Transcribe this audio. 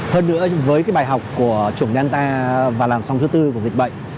hơn nữa với bài học của chủng delta và làn sông thứ tư của dịch bệnh